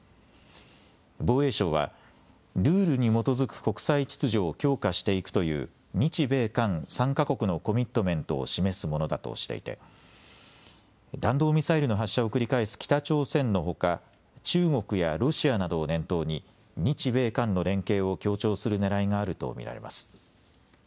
防衛省はルールに基づく国際秩序を強化していくという日米韓３か国のコミットメントを示すものだとしていて弾道ミサイルの発射を繰り返す北朝鮮のほか、中国やロシアなどを念頭に日米韓の連携を強調するねらいがあると見られます。